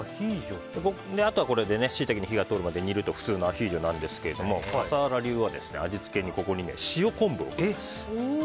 あとは、シイタケに火が通るまで煮ると普通のアヒージョなんですが笠原流は味付けにここに塩昆布を入れます。